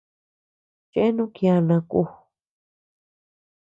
Chéanu kiana kú.